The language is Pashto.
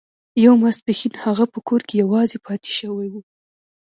یو ماسپښین هغه په کور کې یوازې پاتې شوی و